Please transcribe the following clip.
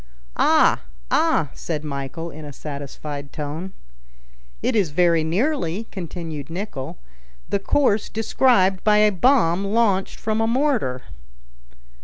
"Ah! ah!" said Michel, in a satisfied tone. "It is very nearly," continued Nicholl, "the course described by a bomb launched from a mortar."